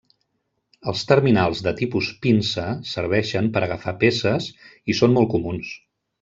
Els terminals de tipus pinça serveixen per agafar peces i són molt comuns.